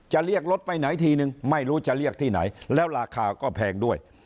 เรียกรถไปไหนทีนึงไม่รู้จะเรียกที่ไหนแล้วราคาก็แพงด้วย